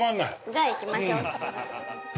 ◆じゃあ、行きましょう。